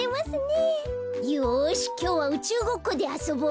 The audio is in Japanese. よしきょうはうちゅうごっこであそぼう。